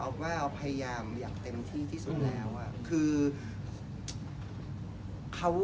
พยายามอย่างเต็มที่สุดแล้ว